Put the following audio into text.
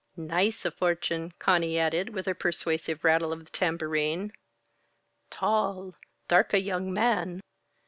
"Nice a fortune," Conny added with a persuasive rattle of the tambourine. "Tall, dark a young man."